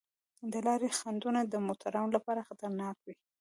د لارې خنډونه د موټروانو لپاره خطرناک وي.